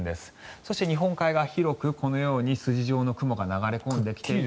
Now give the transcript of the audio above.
そして日本海側、広くこのように筋状の雲が流れ込んできていて。